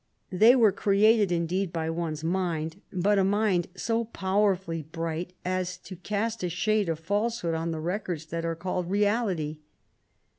They were created indeed by one mind, but a mind so powerfully bright as to cast a shade of falsehood on the records that are called reality.